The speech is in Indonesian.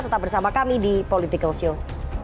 tetap bersama kami di political show